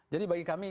jadi bagi kami